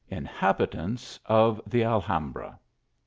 INHABITANTS OF THE ALHAMBRA.